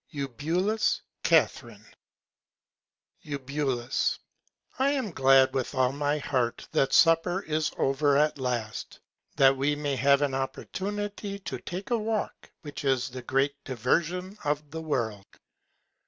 EUBULUS, CATHERINE. Eub. I am glad with all my Heart, that Supper is over at last, that we may have an Opportunity to take a Walk, which is the greatest Diversion in the World.